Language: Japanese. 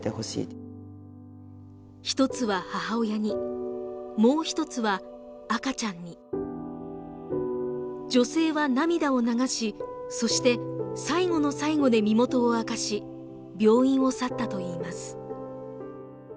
１つは母親にもう一つは赤ちゃんに女性は涙を流しそして最後の最後で身元を明かし病院を去ったといいます